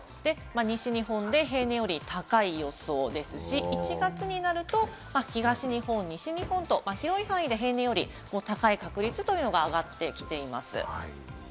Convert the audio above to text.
西日本で平年より高い予想ですし、１月になると、東日本、西日本と広い範囲で平年より高い確率というのが上がってきています。